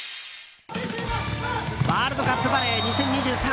ワールドカップバレー２０２３。